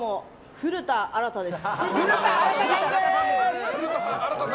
古田新太さんです！